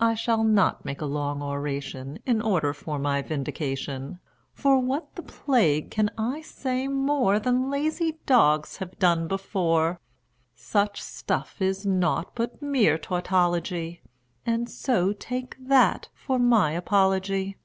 I shall not make a long oration in order for my vindication, For what the plague can I say more Than lazy dogs have done before; Such stuff is naught but mere tautology, And so take that for my apology.